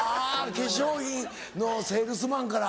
化粧品のセールスマンから。